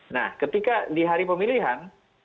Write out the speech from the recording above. nah ketika di hari pemilihan